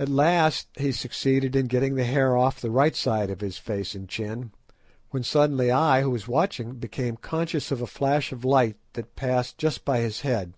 At last he succeeded in getting the hair off the right side of his face and chin, when suddenly I, who was watching, became conscious of a flash of light that passed just by his head.